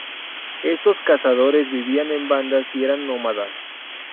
Estos cazadores vivían en bandas y eran nómadas.